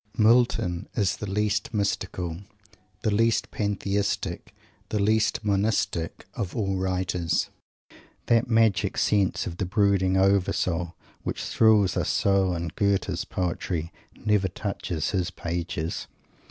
Milton is the least mystical, the least pantheistic, the least monistic, of all writers. That magical sense of the brooding Over Soul which thrills us so in Goethe's poetry never touches his pages.